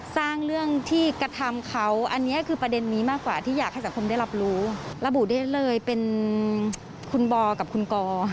สักคนได้รับรู้ระบุได้เลยเป็นคุณบอกับคุณกอ